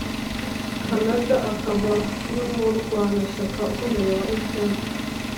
canada akaba n'umurwanashyaka ukomeye wa fpr